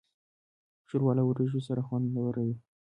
ښوروا له وریژو سره خوندوره وي.